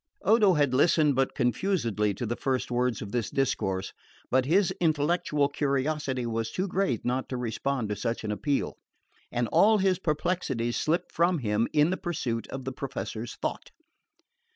Odo had listened but confusedly to the first words of this discourse; but his intellectual curiosity was too great not to respond to such an appeal, and all his perplexities slipped from him in the pursuit of the Professor's thought.